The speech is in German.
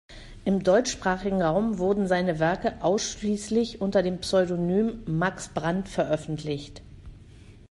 Im deutschsprachigen Raum wurden seine Werke ausschließlich unter dem Pseudonym "Max Brand" veröffentlicht.